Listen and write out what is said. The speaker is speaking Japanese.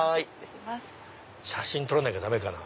写真撮らなきゃダメかな？